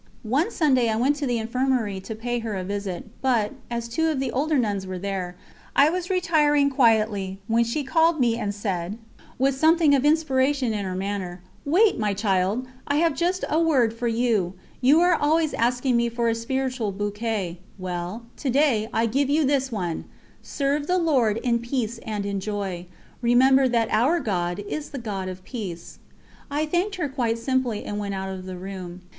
One Sunday I went to the infirmary to pay her a visit, but, as two of the older nuns were there, I was retiring quietly, when she called me and said, with something of inspiration in her manner: "Wait, my child, I have just a word for you; you are always asking me for a spiritual bouquet, well, to day I give you this one: Serve the Lord in peace and in joy. Remember that Our God is the God of peace." I thanked her quite simply and went out of the room.